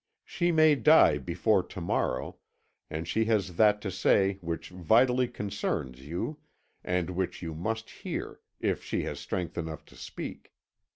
She may die before to morrow, and she has that to say which vitally concerns you, and which you must hear, if she has strength enough to speak.